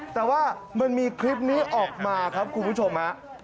แต่ว่ามันมีคลิปนี้ออกมาครับคุณผู้ชมฮะ